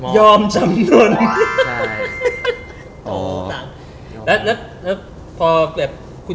ยอมจำนวน